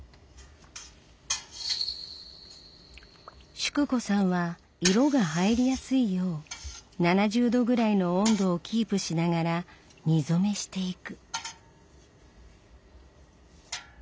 淑子さんは色が入りやすいよう７０℃ぐらいの温度をキープしながら煮染めしていく。